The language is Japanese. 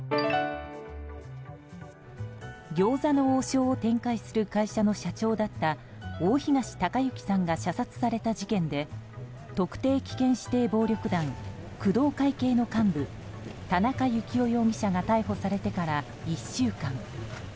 餃子の王将を展開する会社の社長だった大東隆行さんが射殺された事件で特定危険指定暴力団工藤会系の幹部田中幸雄容疑者が逮捕されてから１週間。